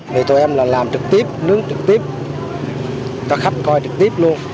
thì tụi em là làm trực tiếp nướng trực tiếp cho khách coi trực tiếp luôn